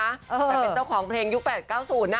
แต่เป็นเจ้าของเพลงยุค๘๙๐นะ